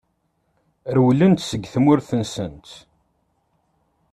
Rewlent seg tmurt-nsent.